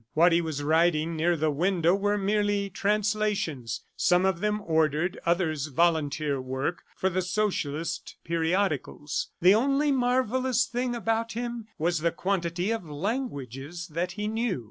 What he was writing near the window were merely translations, some of them ordered, others volunteer work for the socialist periodicals. The only marvellous thing about him was the quantity of languages that he knew.